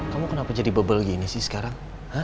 kamu kenapa jadi bubble gini sih sekarang